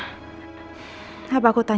kalo papa udah sampe rumah